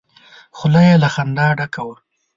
خوله يې له خندا ډکه وه!